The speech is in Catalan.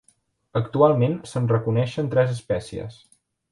Actualment se'n reconeixen tres espècies.